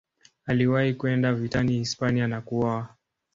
Aliwahi kwenda vitani Hispania na kuoa.